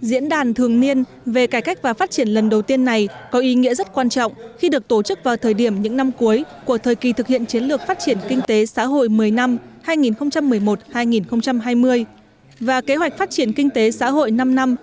diễn đàn thường niên về cải cách và phát triển lần đầu tiên này có ý nghĩa rất quan trọng khi được tổ chức vào thời điểm những năm cuối của thời kỳ thực hiện chiến lược phát triển kinh tế xã hội một mươi năm hai nghìn một mươi một hai nghìn hai mươi và kế hoạch phát triển kinh tế xã hội năm năm hai nghìn một mươi một hai nghìn ba mươi